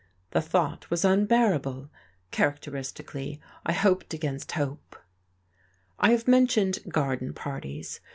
The thought was unbearable. Characteristically, I hoped against hope. I have mentioned garden parties.